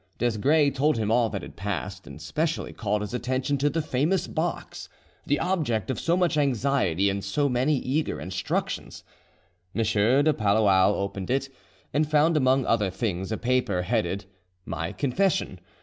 Desgrais told him all that had passed, and specially called his attention to the famous box, the object of so much anxiety and so many eager instructions. M. de Palluau opened it, and found among other things a paper headed "My Confession."